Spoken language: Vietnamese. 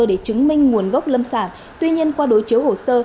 để chứng minh nguồn gốc lâm sản tuy nhiên qua đối chiếu hồ sơ